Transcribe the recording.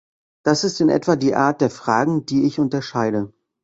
Das ist in etwa die Art der Fragen, die ich unterscheide.